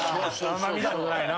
あんま見たことないな。